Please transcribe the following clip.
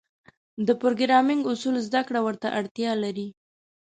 د پروګرامینګ اصول زدهکړه وخت ته اړتیا لري.